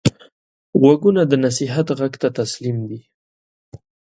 غوږونه د نصیحت غږ ته تسلیم دي